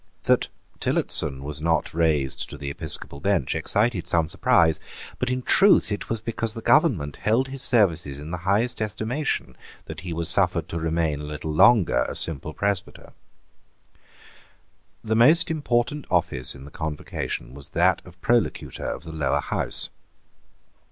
That Tillotson was not raised to the episcopal bench excited some surprise. But in truth it was because the government held his services in the highest estimation that he was suffered to remain a little longer a simple presbyter. The most important office in the Convocation was that of Prolocutor of the Lower House.